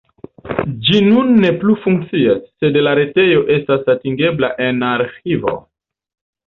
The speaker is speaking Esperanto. Ĝi nun ne plu funkcias, sed la retejo estas atingebla en arĥivo.